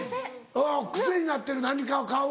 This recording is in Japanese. うん癖になってる何かを買う。